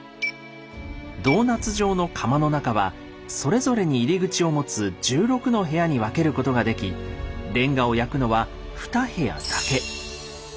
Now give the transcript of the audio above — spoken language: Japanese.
ドーナツ状の窯の中はそれぞれに入り口を持つ１６の部屋に分けることができレンガを焼くのは２部屋だけ。